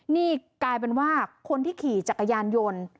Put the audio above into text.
นี่กลายเป็นว่าคนที่ขี่จักรยานยนต์